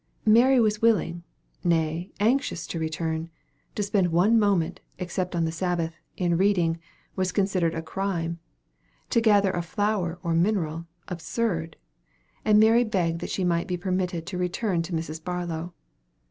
Mary was willing, nay, anxious to return. To spend one moment, except on the Sabbath, in reading, was considered a crime; to gather a flower or mineral, absurd; and Mary begged that she might be permitted to return to Mrs. Barlow.